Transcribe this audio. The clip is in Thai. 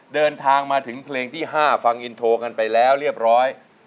เดินทางมาถึงเพลงที่๕ฟังอินโทรกันไปแล้วเรียบร้อย